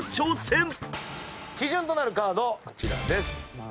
基準となるカードこちらです。